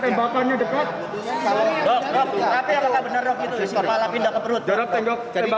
tapi yang kata benar dok itu jari kepala pindah ke perut